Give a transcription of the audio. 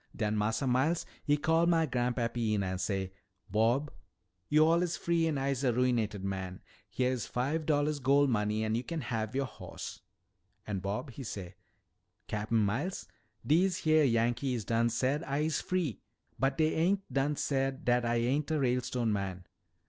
Den Massa Miles, he call mah gran'pappy in an' say, 'Bob, yo'all is free an' I'se a ruinated man. Heah is fiv' dollahs gol' money an' yo' kin hav' youah hoss.' An' Bob, he say, 'Cap'n Miles, dese heah Yankees done said I'se free but dey ain't done said dat I ain't a Ralestone man.